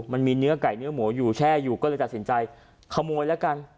มันมีเนื้อไก่เนื้อหมูอยู่แช่อยู่ก็เลยตัดสินใจขโมยแล้วกัน